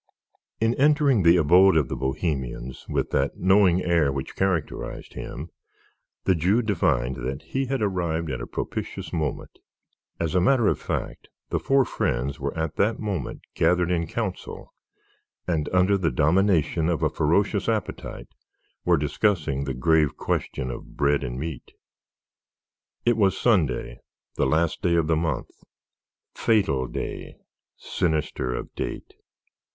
In entering the abode of the bohemians, with that knowing air which characterized him, the Jew divined that he had arrived at a propitious moment. As a matter of fact, the four friends were at that moment gathered in council, and under the domination of a ferocious appetite were discussing the grave question of bread and meat. It was Sunday, the last day of the month. Fatal day, sinister of date!